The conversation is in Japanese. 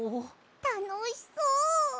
たのしそう。